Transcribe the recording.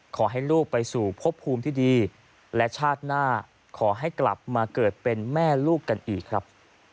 ขอให้ลูกไปสู่พบภูมิที่ดีและชาติหน้าขอให้กลับมาเกิดเป็นแม่ลูกกันอีกครับ